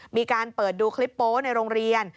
มีการเปิดดูคลิปโป๊ในโรงเรียน